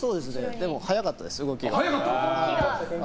でも速かったです、動きが。